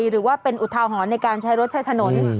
หรือว่าเป็นอุทาหรณ์ในการใช้รถใช้ถนน